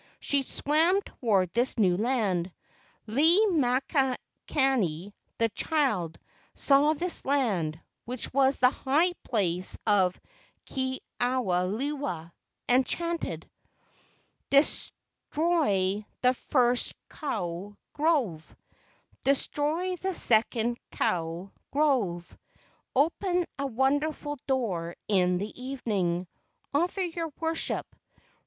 She swam toward this new land. Lei makani, the child, saw this land, which was the high place of Ke ao lewa, and chanted: " Destroy the first kou * grove; Destroy the second kou grove; Open a wonderful door in the evening; Offer your worship.